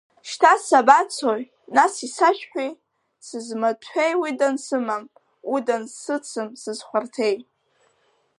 Шьҭа сабацои, нас исашәҳәи, сызмаҭәеи, уи дансымам, уи дансыцым сызхәарҭеи?